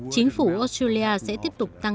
chính phủ australia sẽ tiếp tục tăng